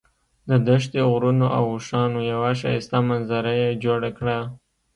د دښتې، غرونو او اوښانو یوه ښایسته منظره یې جوړه کړه.